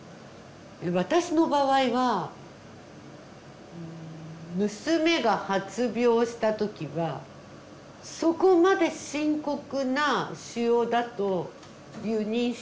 私の場合は娘が発病した時はそこまで深刻な腫瘍だという認識がなかったんです。